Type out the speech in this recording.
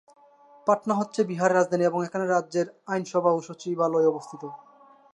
পাটনা হচ্ছে বিহারের রাজধানী এবং এখানে রাজ্যের আইনসভা এবং সচিবালয় অবস্থিত।